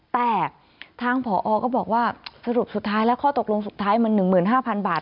แต่ทางผอก็บอกว่าสรุปสุดท้ายแล้วข้อตกลงสุดท้ายมัน๑๕๐๐๐บาท